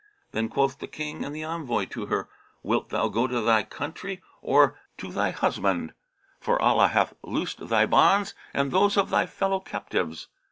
Then quoth the King and the envoy to her, 'Wilt thou go to thy country or to[FN#36] thy husband? For Allah hath loosed thy bonds and those of thy fellow captives.'